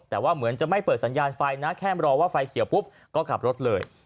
แต่ว่าเหมือนจะไม่เปิดสัญญาณไฟนะแค่รอว่าไฟเขียวปุ๊บก็ขับรถเลย